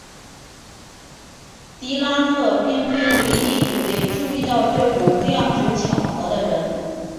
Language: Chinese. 狄拉克并非唯一一位注意到这种量值巧合的人。